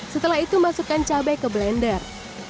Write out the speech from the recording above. setelah itu masukkan cabai ke blender